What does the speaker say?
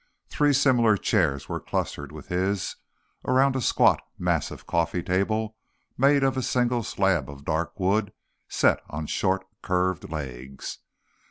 Three similar chairs were clustered with his, around a squat, massive coffee table made of a single slab of dark wood set on short, curved legs.